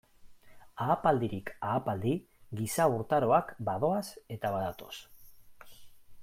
Ahapaldirik ahapaldi giza urtaroak badoaz eta badatoz.